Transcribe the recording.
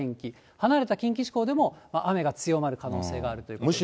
離れた近畿地方でも、雨が強まる可能性があるということですね。